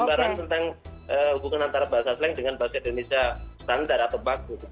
gambaran tentang hubungan antara bahasa slang dengan bahasa indonesia standar atau baku